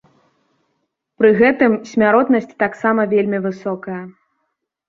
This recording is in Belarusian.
Пры гэтым, смяротнасць таксама вельмі высокая.